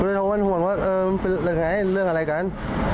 คุณโดยทราบมันห่วงว่าเป็นอะไรเรื่องอะไรกัน